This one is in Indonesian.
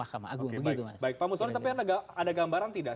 pemusulannya tapi ada gambaran tidak